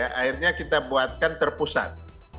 akhirnya kita buatkan terpusat